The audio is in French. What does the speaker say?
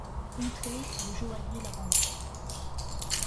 Outré, le joaillier la renvoie.